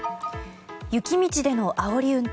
雪道でのあおり運転。